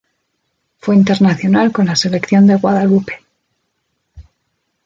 Fue internacional con la selección de Guadalupe.